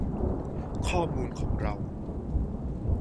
ข้อมูลของเรา